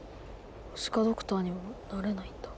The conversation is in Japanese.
ムジカ・ドクターにもなれないんだ。